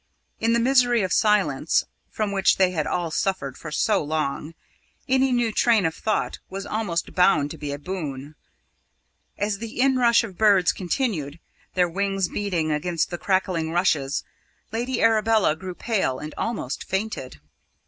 In the misery of silence, from which they had all suffered for so long, any new train of thought was almost bound to be a boon. As the inrush of birds continued, their wings beating against the crackling rushes, Lady Arabella grew pale, and almost fainted.